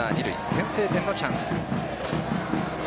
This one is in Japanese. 先制点のチャンス。